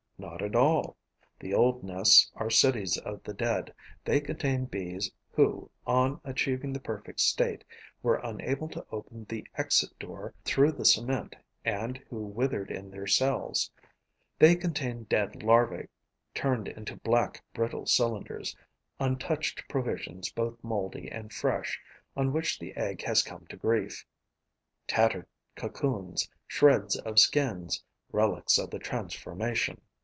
Not at all. The old nests are cities of the dead. They contain Bees who, on achieving the perfect state, were unable to open the exit door through the cement and who withered in their cells; they contain dead larvae, turned into black, brittle cylinders; untouched provisions, both mouldy and fresh, on which the egg has come to grief; tattered cocoons; shreds of skins; relics of the transformation.